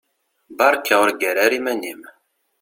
Beṛka ur ggar ara iman-im.